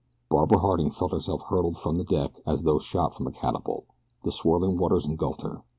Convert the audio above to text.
Barbara Harding felt herself hurtled from the deck as though shot from a catapult. The swirling waters engulfed her.